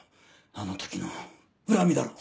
あの時の恨みだろ！